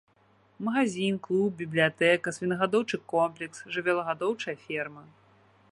Магазін, клуб, бібліятэка, свінагадоўчы комплекс, жывёлагадоўчая ферма.